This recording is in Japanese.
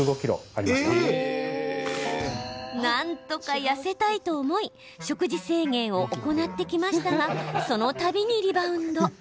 なんとか痩せたいと思い食事制限を行ってきましたがそのたびにリバウンド。